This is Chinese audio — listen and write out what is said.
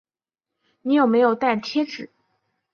你有没有带贴纸